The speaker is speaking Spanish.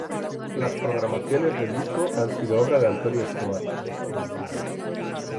Las programaciones del disco han sido obra de Antonio Escobar.